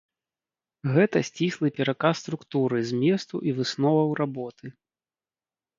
Гэта сціслы пераказ структуры, зместу і высноваў работы.